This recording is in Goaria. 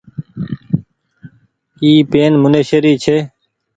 اي پين منيشي ري ڇي۔